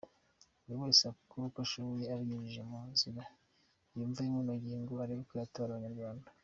Buri wese akora uko ashoboye abinyujije munzira yumva imunogeye ngo arebe uko yatabara abanyarwanda .